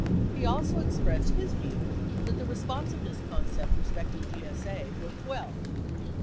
He also expressed his view that the responsiveness concept respecting GSA worked well.